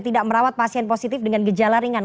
tidak merawat pasien positif dengan gejala ringan